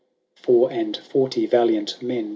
Four and forty valiant men.